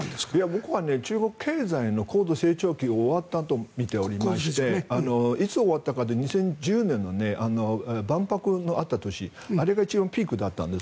僕は中国経済の高度成長期が終わったとみていましていつ終わったかというと２０１０年の万博があった年あれが一番ピークだったんです。